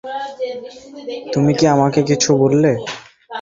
তুমি কি আমাকে কিছু বললে?